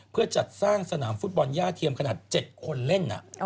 เพื่อจัดสร้างสนามฟุตบอลย่าเทียมขนาด๗คนเล่น